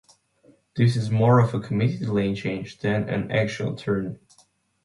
This is more of a committed lane change than an actual turn.